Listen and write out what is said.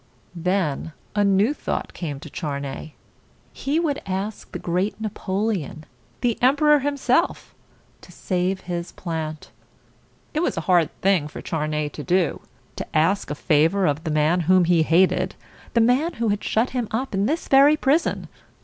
Then a new thought came to Charney. He would ask the great Napoleon, the em per or himself, to save his plant. It was a hard thing for Charney to do, to ask a favor of the man whom he hated, the man who had shut him up in this very prison.